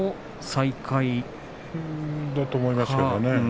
そうだと思いますけどね